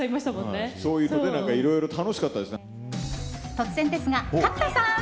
突然ですが、角田さん！